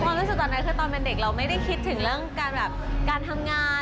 ความรู้สึกตอนนั้นคือตอนเป็นเด็กเราไม่ได้คิดถึงเรื่องการแบบการทำงาน